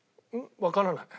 わからない。